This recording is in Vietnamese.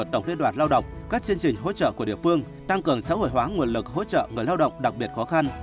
tăng cường xã hội hóa nguồn lực hỗ trợ người lao động đặc biệt khó khăn